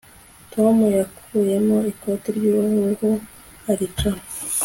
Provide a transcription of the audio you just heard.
Tom yakuyemo ikoti ryuruhu aricara